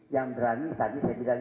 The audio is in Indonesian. yang berani tadi saya bilang